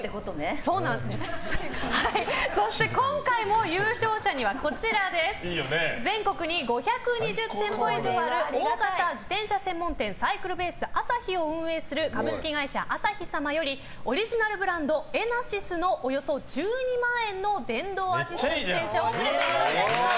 今回も優勝者には全国に５２０店舗以上ある大型自転車専門店サイクルベースあさひを運営する株式会社あさひ様よりオリジナルブランドＥＮＥＲＳＹＳのおよそ１２万円の電動アシスト自転車をプレゼントいたします。